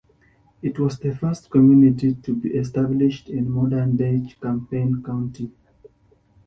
It was the first community to be established in modern-day Champaign County.